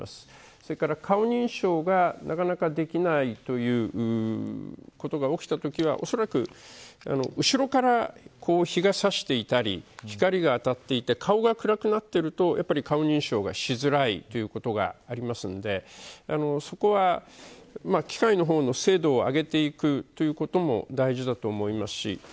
それから、顔認証がなかなかできないということが起きたときはおそらく、後ろから日が差していたり光が当たっていて顔が暗くなっていると顔認証がしづらいということがありますのでそこは、機械の方の精度を上げていくということも大事だと思います。